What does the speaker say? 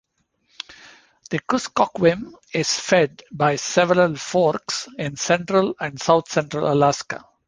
The Kuskokwim is fed by several forks in central and south-central Alaska.